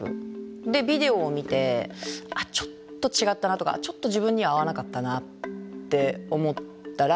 でビデオを見てちょっと違ったなとかちょっと自分には合わなかったなって思ったらそこをアジャストしていく。